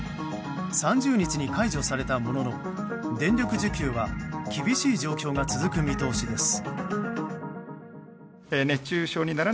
３０日に解除されたものの電力需給は厳しい状況が続く見通しです。